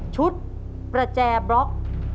ชุดประแจบล็อก